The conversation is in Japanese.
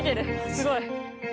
すごい。